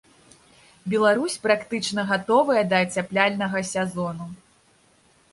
Беларусь практычна гатовая да ацяпляльнага сезону.